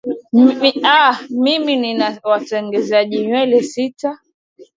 aah mimi nina watengenezaji nywele sita